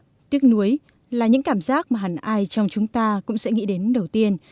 xót xa tuyết núi là những cảm giác mà hẳn ai trong chúng ta cũng sẽ nghĩ đến đầu tiên